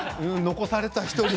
残された、１人。